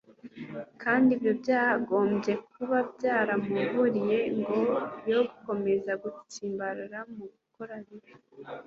kandi ibyo byagombye kuba byaramuburiye ngo ye gukomeza gutsimbarara mu gukora ibibi